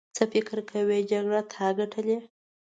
څه فکر کوې جګړه تا ګټلې.